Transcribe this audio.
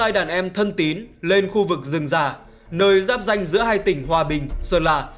tuần đi đến khu vực rừng giả nơi giáp danh giữa hai tỉnh hòa bình sơn lạ